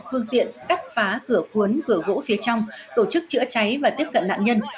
phương tiện cắt phá cửa cuốn cửa gỗ phía trong tổ chức chữa cháy và tiếp cận nạn nhân